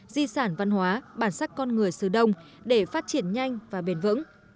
di sản văn hóa bản sắc con người xứ đông để phát triển nhanh và bền vững